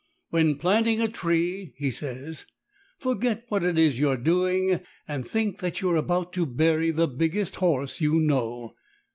"When planting a tree," he says, "forget what it is you are doing, and think that you are about to bury the biggest horse you know."